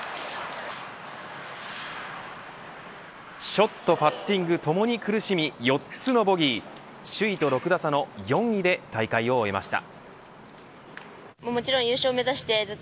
ショット、パッティングともに苦しみ４つのボギー首位と６打差の４位で大会を終えました。